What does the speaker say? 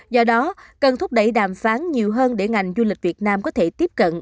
do đó cần thúc đẩy đàm phán nhiều hơn để ngành du lịch việt nam có thể tiếp cận